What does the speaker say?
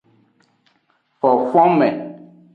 Fofonme.